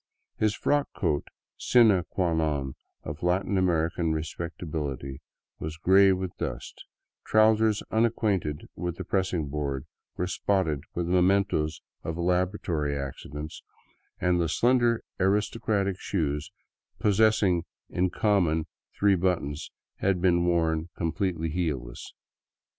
His frock coat, sine qua non of Latin American respectability, was gray with dust, trousers unacquainted with the pressing board were spotted with the mementoes of laboratory ac 206 THROUGH SOUTHERN ECUADOR cidents, and the slender aristocratic shoes, possessing in common three buttons, had been worn completely heelless.